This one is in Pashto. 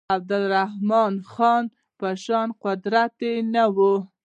عبدالرحمن خان په شان قدرت نه وو.